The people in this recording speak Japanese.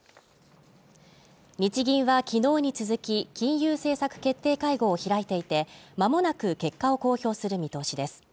日銀は昨日に続き、金融政策決定会合を開いていて、まもなく結果を公表する見通しです。